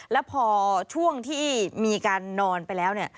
แล้วพอช่วงที่มีการนอนไปแล้วเนี่ย